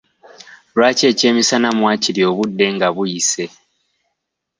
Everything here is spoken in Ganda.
Lwaki ekyemisana mwakirya obudde nga buyise?